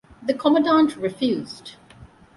The commandant refused.